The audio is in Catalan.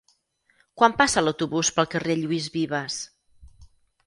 Quan passa l'autobús pel carrer Lluís Vives?